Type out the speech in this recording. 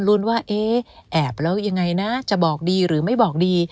รุ้นว่าเอ๊ะแอบแล้วยังไงนะจะบอกดีหรือไม่บอกดี